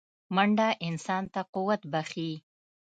منډه انسان ته قوت بښي